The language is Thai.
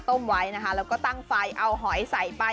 ไว้นะคะแล้วก็ตั้งไฟเอาหอยใส่ไป